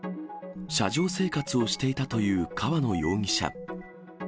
車上生活をしていたという河野容疑者。